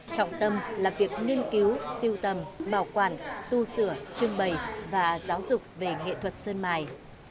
trọng tâm là việc nghiên cứu siêu tầm bảo quản tu sửa trưng bày và giáo dục về nghệ thuật sơn mài